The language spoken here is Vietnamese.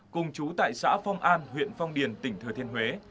cùng chú tại xã phong an huyện phong điền tỉnh thừa thiên huế